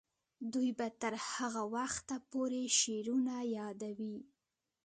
دوی به تر هغه وخته پورې شعرونه یادوي.